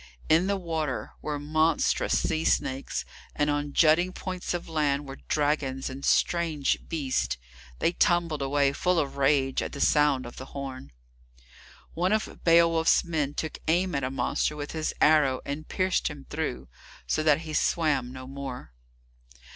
In the water were monstrous sea snakes, and on jutting points of land were dragons and strange beasts: they tumbled away, full of rage, at the sound of the horn. One of Beowulf's men took aim at a monster with his arrow, and pierced him through, so that he swam no more.